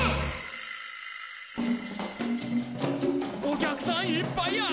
「お客さんいっぱいや」